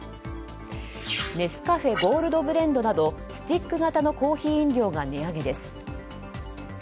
ネスカフェゴールドブレンドなどスティック型のコーヒー飲料が値上げです。